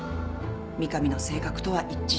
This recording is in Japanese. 三上の性格とは一致しない。